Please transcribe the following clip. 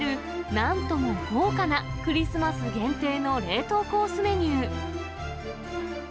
なんとも豪華なクリスマス限定の冷凍コース